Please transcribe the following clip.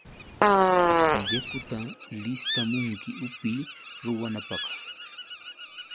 ¡Yakuta listamunki upiy ruwanapaq!